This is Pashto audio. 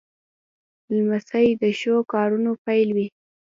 لمسی د ښو کارونو پیل وي.